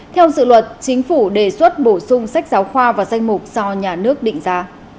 theo sự luật chính phủ đề xuất bổ sung sách giáo khoa và danh mục do nhà nước định giá